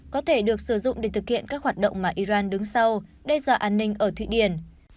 có thể được sử dụng để thực hiện các hoạt động mà iran đứng sau đe dọa an ninh ở thụy điển